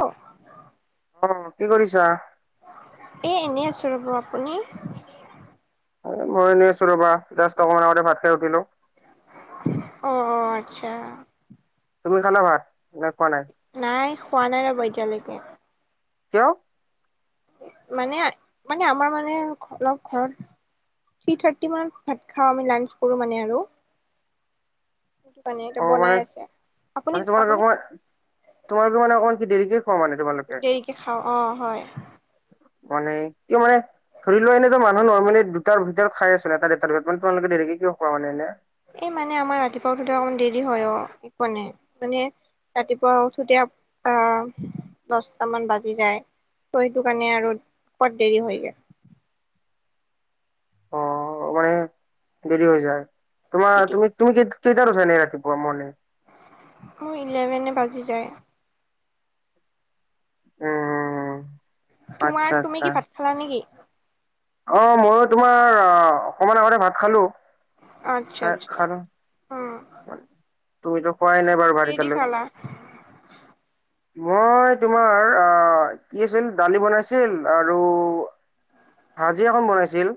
অ' অ', কি কৰিছা এ এনে আছো ৰ'ব আপুনি মই এনেই আছো ৰবা দচ টকা মান আগতে ভাত খাই উঠিলো অ', আচ্ছা তুমি খানা ভাত ন কোৱা ন আছে নাই খোৱা নাই ৰব এতিয়ালৈকে কিয়? মানে মানে আমাৰ মানে অলপ ঘৰত থ্ৰী থাৰ্টি মানত ভাত খাওঁ আমি লাঞ্চ কৰোঁ মানে আৰু সেইটো কাৰানে এয়া অ মানে বনাই আছে মানে আপুনি তোমালোকে আপুনি অকমান তোমালোকে মান অক দ দেৰিক খোৱা মে তোমালোকে দেৰিকে খাওঁ অ', হয় মানে কিয় মানে? ধৰি লোৱা এনেত মানুহ নৰ্মমি দুটাৰ ভিতৰত খাই আছিলে এটাাৰ ভিতৰতানে তোমোকে দেকে কিয় খোৱা মানে এনে। এই মানে আমাৰ ৰাতিপুৱাতোতো অকমান দেৰি হয় অ এক নাই মানে ৰাতিপুৱা উঠোতে আহ দছটামান বাজি যায়। সেইটো কাৰণে আৰু কত দেৰি হয়গৈ অ', মানে দেৰি হৈ যায় তোমাৰ তুমি তুমি কি? সেই তাৰো চ নাই ৰাতিপুৱা মে মোৰ ইলেভেনে বাজি যায়। উম, উম, উম, তোমাৰ তুমি কি ভাত খালা নেকি? অ', মইো তোমাৰ অকমান আগতে ভাত খালো। আচ্ছা, খাই আচ্ছা, খালো অ তুমিতো খোৱাই নাই বাৰু কি বাৰী দি তালৈ খালা মই তোমাৰ আহ কি আছিল। দালি বনাইছিল আৰু উ', ভাজি এখন বনাইছিল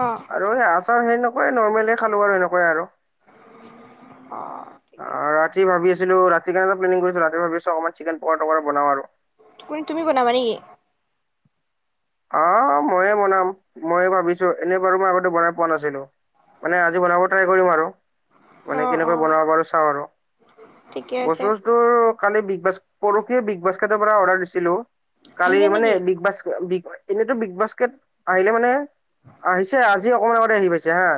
অ আৰু এই আচাৰ সেনেকুৱাই নৰ্মেল খালোঁ আৰু সেনেকুৱাই আৰু অ', ঠিকে অ', ৰাতি ভাবি আছিলো ৰাতিনে এটা প্লেনিং কৰিছিলো। ৰাতি ভাবি আো অকমান চিকেন প প বনাও আৰু কো তুমি বনাবা নেকি? অ', ময়ে বনাম ময়ে ভাবিছো। এনেই বাৰু মই আগতে বনাই পোৱা নাছিলো। মানে আজি বনাব ট্ৰাই কৰিম আৰু অ মানে অ কেনেকৈ বনাব পাৰু চাওঁ আৰু ঠিকে আছে বস্তু ব্তু কালি বিগ ব পৰহে বিগ বাস্কেটৰ পৰা অৰ্ডাৰ দিছিলো। কালি আহিলে মানে নেকি বিগ বাছ বিগ এনেতো বিগ বাস্কেট আহিলে মানে আহিছে আজি অকমান আগতে আহি পাইছে হা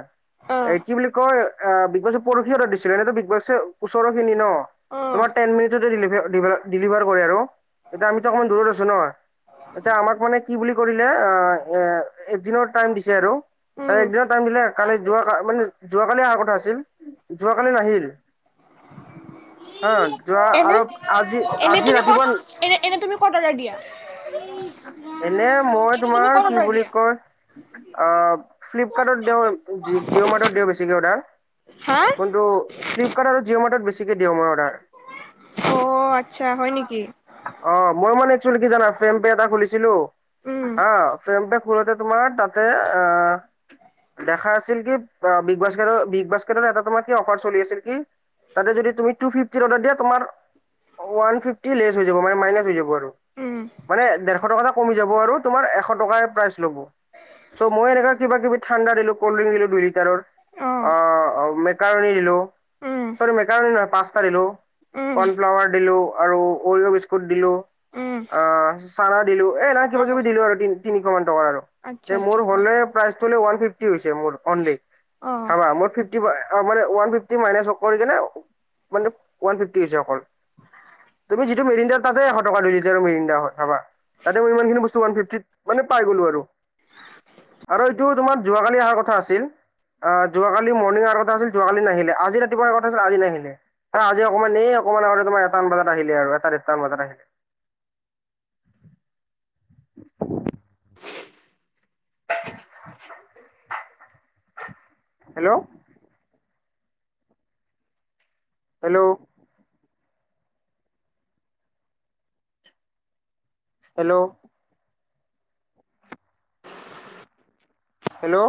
অ এ কি বুলি কয় বিগবাছে পৰহি অৰ্ডাৰ দিছিলে এনেতো বিগবছে ওচৰৰখিনি ন, অ তোমাৰ টেন মিনিটতে ডিলিভাৰ কৰে আৰু। এতিয়া আমিতো অকণমান দূৰত আছো। ন, এতিয়া আমাক মানে কি বুলি কৰিলে। অ', এ এক দিনৰ টাইম দিছে আৰু, উম এক দিনৰ টাইম দিলে কালি যোৱা মানে যোৱা কালি অহাৰ কথা আছিল। যোৱা কালি নাহিল। হা, যোৱা এনে আৰু আজি এনে আজি তুমি ক'ত ৰাতিপুৱা এনে এনেই তুমি ক'ত অৰ্ডাৰ দিয়া? এনে মই এনে তুমি তোমাৰ, ক'ত কি অৰ্ডাৰ বুলি দিয়া কয়? অ', ফ্লিপকাৰ্টত দিও, জিঅ' মাৰ্টত দিও, বেছিকে অৰ্ডাৰ। হা কিন্তু ফ্লিপকাৰ্ট আৰু জিঅ' মাৰটত বেছিকে দিওঁ মই অৰ্ডাৰ। অ', আচ্ছা, হয় নেকি? অ', মই মানে একচুৱেলি কি জানা। ফেম পে এটা খুলিছিলো। উম অ', ফ্ৰেম পে খোলোতে তোমাৰ তাতে, আহ। দেখা আছিল। কি বিগ বাস্কেটৰ বিগ বাস্কেটত এটা তোমাৰ কি অফাৰ চলি আছিল কি? তাতে যদি তুমি তু ফিফটিৰ অৰ্ডাৰ দিয়া, তোমাৰ ওৱান ফিফটি লেছ হৈ যাব মানে মাইনাচ যাব। উম মানে ডেৰশ টকা এটা কমি যাব আৰু, তোমাৰ এশ টকা [unintelligible] ল'ব, চ' মই এনেকা কিবা কিবি ঠাণ্ডা দিলো। কল্ডড্ৰিং দিলো দুই লিটাৰৰ। অ অহ, মেকাৰণী দিলো। উম চৰি মেকাৰণী নহয় পাস্তা দিলো। উম কৰ্ণফ্লাৱাৰ দিলো, আৰু [unintelligible] বিস্কুট দিলো। উম অ', চানা দিলো। এ নাই অ কিবা কিবি দিলো [unintelligible] আৰু তি তিনিশ মান টকাৰ আৰু। আচ্ছা এ আচ্ছা মোৰ হলে প্ৰাইচটো মানে ওৱান ফিফটি হৈছে। মোৰ, অনলি। অ [unintelligible] মোৰ ফিফটি মানে ওৱান ফিফটি মাইচ কৰি কিনে, মানে ওৱান ফিফটি হৈছে। অকল তুমি যিটো মিৰিণ্ডাৰ তাতেই এশ টকা, দুই লিটাৰৰ হয় ভাবা। তাতেই মই ইমানখিন বস্তু, ওৱান ফিফটিত মানে পাই গলো। আৰু আৰু এইটো তোমাৰ যোৱাকালি অহাৰ কথা আছিল। অ', যোৱাকালি মৰ্ণিং অহাৰ কথা আছিল। যোৱাকালি নাহিলে, আজি ৰাতিপুৱা অহাৰ কথা আছিল আজি নাহিলে। আজি অকণমান এই অকণমান আগতে তোমাৰ এটা মান বজাত আহিলে আৰু, এটা ডেৰটামান বজাত আহিলে। [inaudible] [inaudible] Hello, hello, hello, hello,